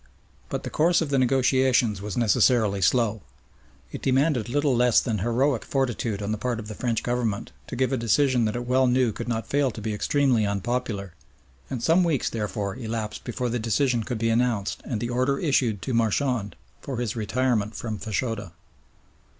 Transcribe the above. But the course of the negotiations was necessarily slow. It demanded little less than heroic fortitude on the part of the French Government to give a decision that it well knew could not fail to be extremely unpopular, and some weeks therefore elapsed before the decision could be announced and the order issued to Marchand for his retirement from Fachoda.